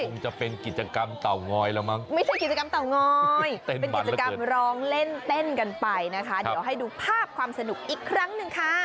คงจะเป็นกิจกรรมเตางอยแล้วมั้งไม่ใช่กิจกรรมเตางอยเป็นกิจกรรมร้องเล่นเต้นกันไปนะคะเดี๋ยวให้ดูภาพความสนุกอีกครั้งหนึ่งค่ะ